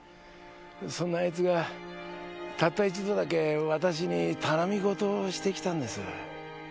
そんなあいつがたった一度だけ私に頼み事をしてきたんです。